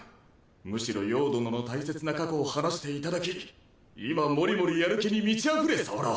むしろ葉殿の大切な過去を話していただき今モリモリやる気に満ちあふれ候。